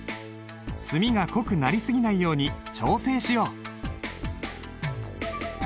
墨が濃くなり過ぎないように調整しよう。